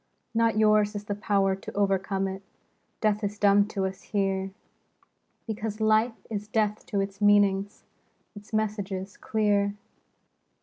Not yours is the power to o'ercome it : Death is dumb to us here, Because Life is deaf to its meanings, Its messages clear.